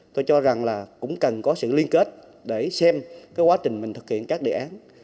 tôi cho rằng là cũng cần có sự liên kết để xem cái quá trình mình thực hiện các đề án